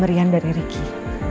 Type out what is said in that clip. pemberian dari ricky